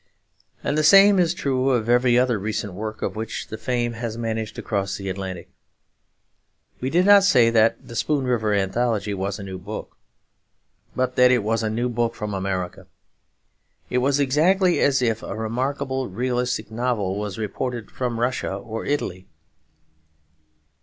And the same is true of every other recent work of which the fame has managed to cross the Atlantic. We did not say that The Spoon River Anthology was a new book, but that it was a new book from America. It was exactly as if a remarkable realistic novel was reported from Russia or Italy.